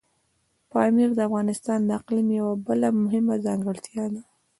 پامیر د افغانستان د اقلیم یوه بله مهمه ځانګړتیا ده.